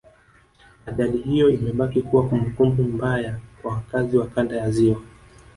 Ajali hiyo imebaki kuwa kumbukumbu mbaya kwa wakazi wa Kanda ya Ziwa